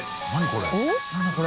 これ。